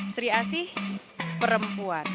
sri asi perempuan